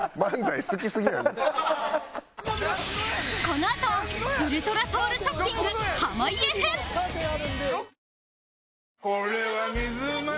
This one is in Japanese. このあとウルトラソウルショッピング濱家編